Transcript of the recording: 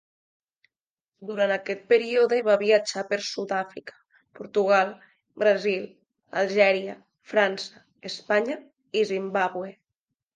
Durant aquest període va viatjar per Sud-àfrica, Portugal, Brasil, Algèria, França, Espanya i Zimbàbue.